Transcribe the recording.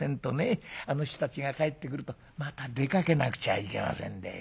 あの人たちが帰ってくるとまた出かけなくちゃいけませんで。